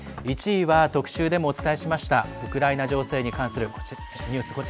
１位は、特集でもお伝えしましたウクライナ情勢に関するニュース。